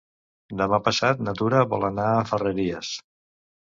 Demà passat na Tura vol anar a Ferreries.